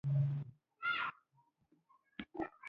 درناوی د ښو اخلاقو او د ټولنیزو چارو ښه والی ښيي.